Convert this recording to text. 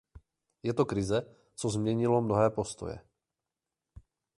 Je to krize, co změnilo mnohé postoje.